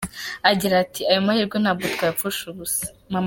Agira ati “Ayo mahirwe ntabwo twayapfusha ubusa.